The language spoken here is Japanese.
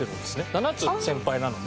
７つ先輩なので。